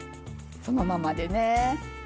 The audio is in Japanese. そのままでね。